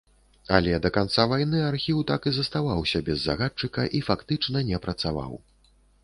Але да канца вайны архіў так і заставаўся без загадчыка і фактычна не працаваў.